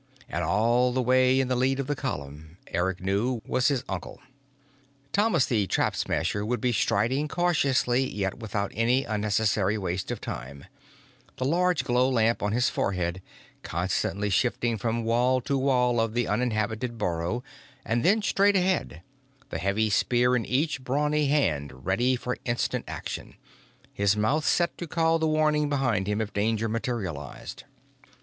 And all the way in the lead of the column, Eric knew, was his uncle. Thomas the Trap Smasher would be striding cautiously yet without any unnecessary waste of time, the large glow lamp on his forehead constantly shifting from wall to wall of the uninhabited burrow and then straight ahead, the heavy spear in each brawny hand ready for instant action, his mouth set to call the warning behind him if danger materialized.